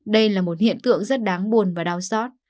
đây là một hiện tượng rất đáng buồn và đau xót